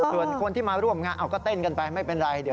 ส่วนคนที่มาร่วมงานเอาก็เต้นกันไปไม่เป็นไร